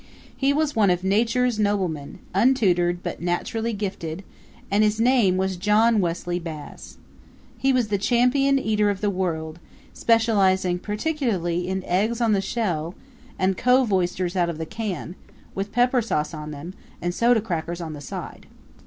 He was one of Nature's noblemen, untutored but naturally gifted, and his name was John Wesley Bass. He was the champion eater of the world, specializing particularly in eggs on the shell, and cove oysters out of the can, with pepper sauce on them, and soda crackers on the side.